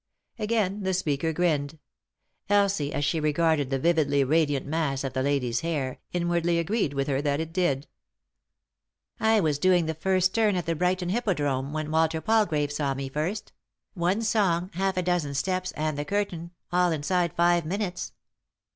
Again the speaker grinned. Elsie, as she regarded the vividly radiant mass of the lady's hair, inwardly agreed with her that it did. " I was doing the first turn at the Brighton Hippodrome when Walter Palgrave saw me first ; one song, half a dozen steps, and the curtain, all inside five minutes.